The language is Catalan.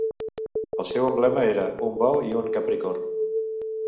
El seu emblema era un bou i un capricorn.